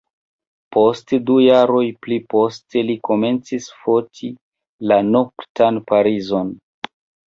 Post du jaroj pli poste li komencis foti la noktan Parizon.